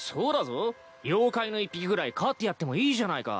妖怪の一匹ぐらい飼ってやってもいいじゃないか。